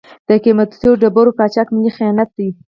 د قیمتي ډبرو قاچاق ملي خیانت دی.